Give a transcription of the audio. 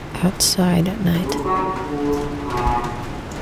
لوکاں کول کھان